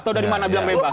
atau dari mana bilang bebas